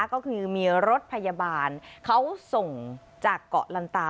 ก็คือมีรถพยาบาลเขาส่งจากเกาะลันตา